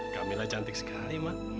kamilah cantik sekali mak